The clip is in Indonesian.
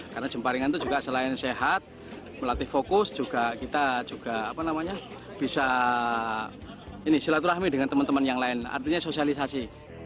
karena jemparingan itu juga selain sehat melatih fokus kita juga bisa silaturahmi dengan teman teman yang lain artinya sosialisasi